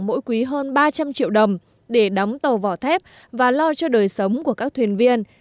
mỗi quý hơn ba trăm linh triệu đồng để đóng tàu vỏ thép và lo cho đời sống của các thuyền viên